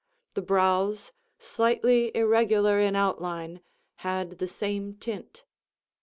The brows, slightly irregular in outline, had the same tint.